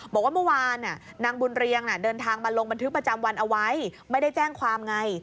บอกว่าเมื่อวานนางบุญเรียงเดินทางมาลงบันทึกประจำวันเอาไว้ไม่ได้แจ้งความไง